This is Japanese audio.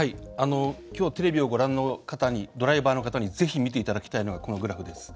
きょうテレビをご覧のドライバーの方にぜひ見ていただきたいのがこのグラフです。